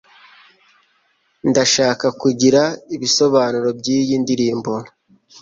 Ndashaka kugira ibisobanuro byiyi ndirimbo.